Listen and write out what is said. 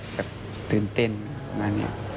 แบบตื่นเต้นมาเนี่ย